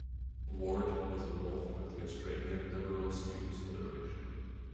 Ward was involved with the Australian Liberal Students Federation.